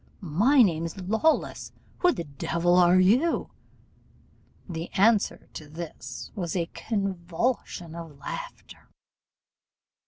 My name's Lawless: who the devil are you?' The answer to this was a convulsion of laughter.